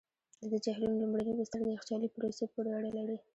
د دې جهیلونو لومړني بستر د یخچالي پروسې پورې اړه لري.